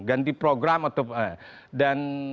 ganti program atau apa